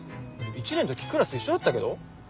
１年の時クラス一緒だったけど？